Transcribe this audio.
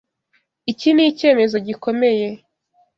Iki nicyemezo gikomeye.